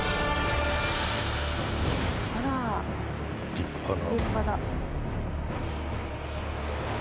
立派な。